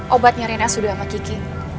obatnya rena sudah sama kiki